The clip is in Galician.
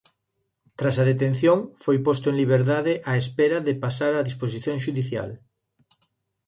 Tras a detención foi posto en liberdade á espera de pasar a disposición xudicial.